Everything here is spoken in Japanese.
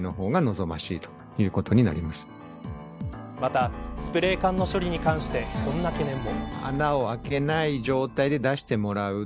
またスプレー缶の処理に関してこんな懸念も。